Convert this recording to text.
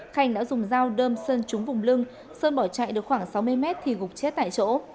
khanh đã dùng dao đâm sơn trúng vùng lưng sơn bỏ chạy được khoảng sáu mươi mét thì gục chết tại chỗ